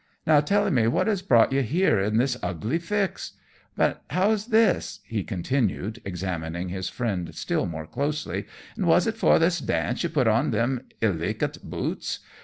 Now tell me what has brought yer here in this ugly fix? But how's this?" he continued, examining his friend still more closely "and was it for this dance yer put on them iligant boots?